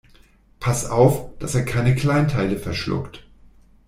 Pass auf, dass er keine Kleinteile verschluckt.